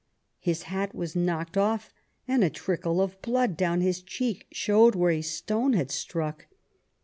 His hat was knocked off, and a trickle of blood down his cheek showed where a stone had struck.